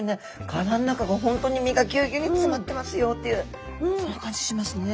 殻の中が本当に身がぎゅうぎゅうに詰まってますよっていうそんな感じしますね。